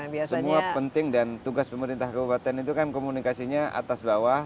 semua penting dan tugas pemerintah kabupaten itu kan komunikasinya atas bawah